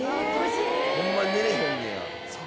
ホンマに寝れへんねや。